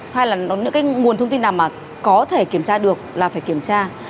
hay là những cái nguồn thông tin nào mà có thể kiểm tra được là phải kiểm tra